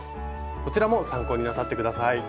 こちらも参考になさって下さい。